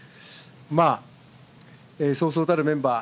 まあ、そうそうたるメンバー